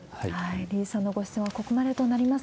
李さんのご出演はここまでとなります。